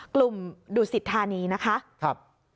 กลุ่มดุสิทธานีนะครับ